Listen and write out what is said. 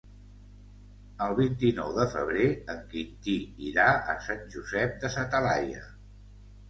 El vint-i-nou de febrer en Quintí irà a Sant Josep de sa Talaia.